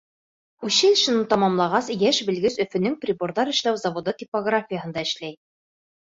Училищены тамамлағас, йәш белгес Өфөнөң приборҙар эшләү заводы типографияһында эшләй.